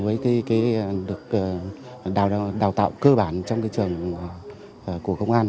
với cái được đào tạo cơ bản trong cái trường của công an